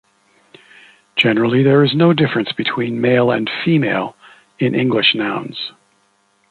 Generally there is no difference between male and female in English nouns.